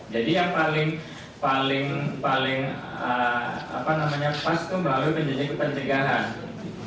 jadi yang paling paling paling apa namanya pas itu melalui penjagaan